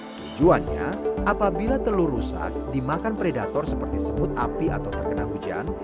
tujuannya apabila telur rusak dimakan predator seperti semut api atau terkena hujan